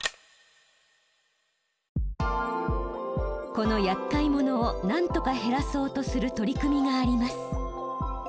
このやっかい者を何とか減らそうとする取り組みがあります。